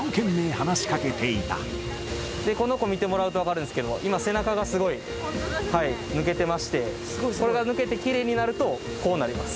この子、見てもらうと分かるんですけれども、今、背中がすごい抜けてまして、それが抜けてきれいになると、こうなります。